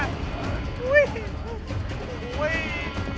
เห้ยหนีหนีหนีหนี